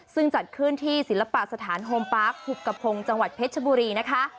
ซึ่งจัดขึ้นที่ศิลปะสถานโฮมปาร์คหุบกระพงจังหวัดเพชรชบุรีนะคะ